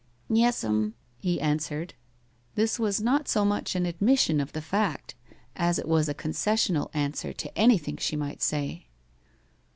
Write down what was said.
"Yes'm," he answered. This was not so much an admission of the fact as it was a concessional answer to anything she might say.